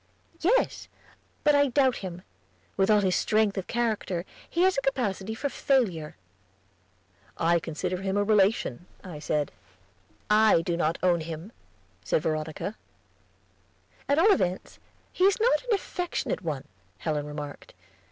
"Yes; but I doubt him. With all his strength of character he has a capacity for failure." "I consider him a relation," I said. "I do not own him," said Veronica. "At all events, he is not an affectionate one," Helen remarked.